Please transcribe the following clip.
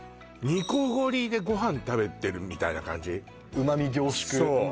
煮こごりでご飯食べてるみたいな感じ旨味凝縮うんそう